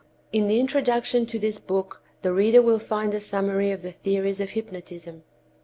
In the introduction to this book the reader will find a summary of the theories of hypnotism.